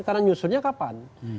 karena nyusunnya kapan